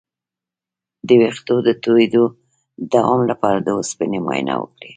د ویښتو د تویدو د دوام لپاره د اوسپنې معاینه وکړئ